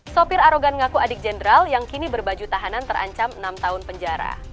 sopir arogan mengaku adik jenderal yang kini berbaju tahanan terancam enam tahun penjara